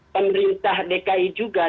pemerintah dki juga